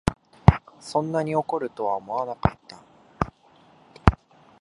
そんなに怒るとは思わなかった